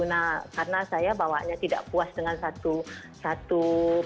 nah karena saya bawaannya tidak puas dengan satu pernyataan